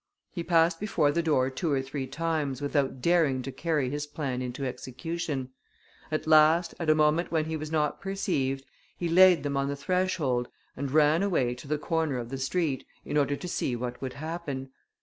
He passed before the door two or three times, without daring to carry his plan into execution; at last, at a moment when he was not perceived, he laid them on the threshold, and ran away to the corner of the street, in order to see what would happen.